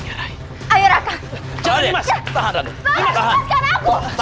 ayah anda terluka ray